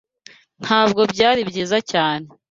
Ntabwo byari byiza cyane.